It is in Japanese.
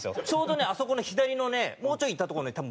ちょうどねあそこの左のねもうちょい行ったとこにね